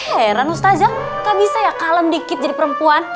heran mustazah gak bisa ya kalem dikit jadi perempuan